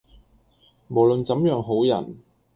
無論怎樣好人，